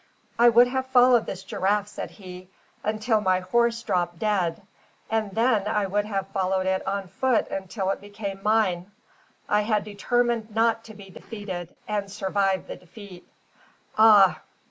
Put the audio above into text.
"I would have followed this giraffe," said he, "until my horse dropped dead, and then I would have followed it on foot until it became mine. I had determined not to be defeated and survive the defeat. Ah!